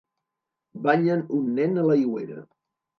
Banyen un nen a l'aigüera